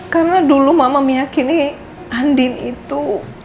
karena dulu mama meyakini andin itu